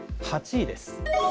８位です。